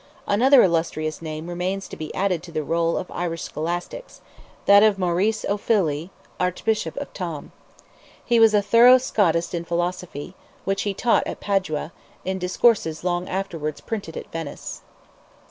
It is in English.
Another illustrious name remains to be added to the roll of Irish Scholastics, that of Maurice O'Fihely, Archbishop of Tuam. He was a thorough Scotist in philosophy, which he taught at Padua, in discourses long afterwards printed at Venice.